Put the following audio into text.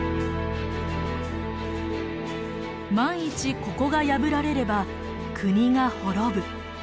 万一ここが破られれば国が滅ぶ。